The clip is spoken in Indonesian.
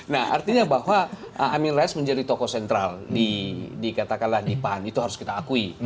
nah artinya bahwa amin rais menjadi tokoh sentral dikatakanlah di pan itu harus kita akui